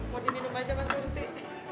mau diminum aja mas suntik